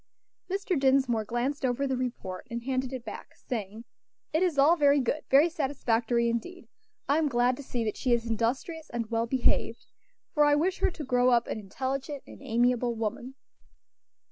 Mr. Dinsmore glanced over the report and handed it back, saying, "It is all very good; very satisfactory indeed. I am glad to see that she is industrious and well behaved, for I wish her to grow up an intelligent and amiable woman."